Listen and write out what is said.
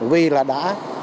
vì là đã